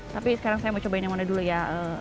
tapi sekarang saya mau cobain yang mana dulu ya